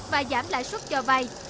và giảm lãi xuất cho vay